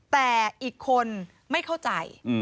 แต่อีกคนไม่เข้าใจ